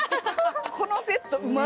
このセットうまっ！